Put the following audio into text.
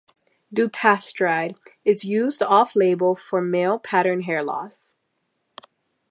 Dutasteride is used off label for male pattern hair loss.